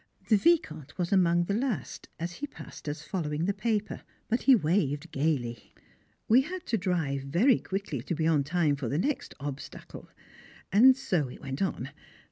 The Vicomte was among the last, as he passed us following the paper, but he waved gaily. We had to drive very quickly to be in time for the next "obstacles" and so it went on.